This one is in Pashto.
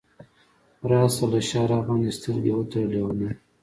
راشه له شاه راباندې سترګې وتړه لیونۍ !